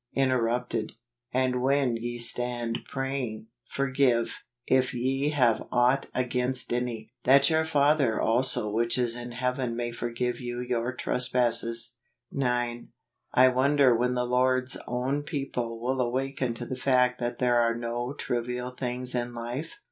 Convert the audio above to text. Interrupted. " And when ye stand praying , forgive , if ye have ought against any: that your Father also which is in heaven may forgive you your trespasses ." 9. I wonder when the Lord's own peo¬ ple will awaken to the fact that there are no trivial things in life